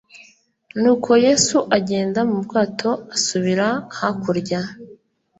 nuko yesu agenda mu bwato asubira hakurya